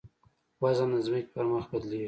وزن د ځمکې پر مخ بدلېږي.